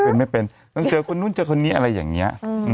เป็นไม่เป็นต้องเจอคนนู้นเจอคนนี้อะไรอย่างนี้